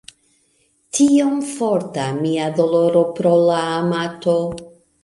Tiom forta mia doloro pro la amato!